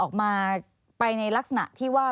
ออกมาไปในลักษณะที่ว่า